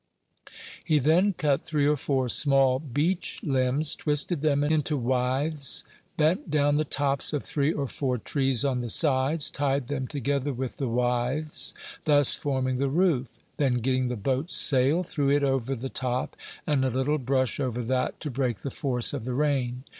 He then cut three or four small beech limbs, twisted them into withes, bent down the tops of three or four trees on the sides, tied them together with the withes, thus forming the roof; then getting the boat's sail, threw it over the top, and a little brush over that, to break the force of the rain.